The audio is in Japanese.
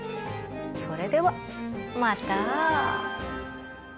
それではまた。